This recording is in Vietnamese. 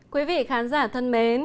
quý vị khán giả thân mến